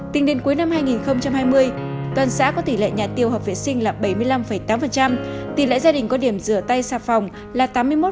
tính đến cuối năm hai nghìn hai mươi toàn xã có tỷ lệ nhà tiêu hợp vệ sinh là bảy mươi năm tám tỷ lệ gia đình có điểm rửa tay xà phòng là tám mươi một tám